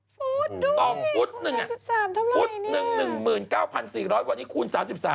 ฟุตด้วยคุณ๓๓ทำไรเนี่ยต่อฟุตหนึ่งฟุตหนึ่ง๑๙๔๐๐บาทวันนี้คูณ๓๓